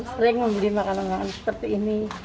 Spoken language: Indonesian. sering membeli makanan makanan seperti ini